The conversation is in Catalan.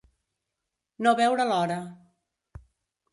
No veure l'hora.